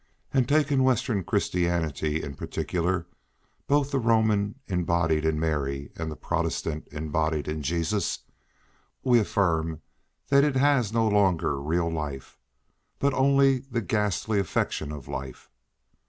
And taking western Christianity in particular, both the Roman embodied in Mary and the Protestant embodied in Jesus, we affirm that it has no longer real life, but only the "ghastly affectation of life."